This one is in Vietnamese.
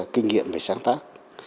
kinh nghiệm về sáng tác